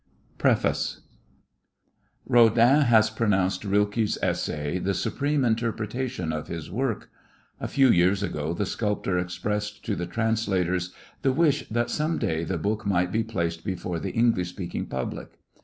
_ PREFACE Rodin has pronounced Rilke's essay the supreme interpretation of his work. A few years ago the sculptor expressed to the translators the wish that some day the book might be placed before the English speaking public.